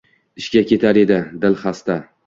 Ishga ketar edi. Dil — xasta…